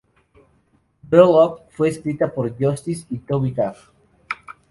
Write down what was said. Girl Up fue escrita por Justice y Toby Gad